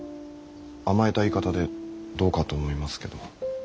甘えた言い方でどうかと思いますけど。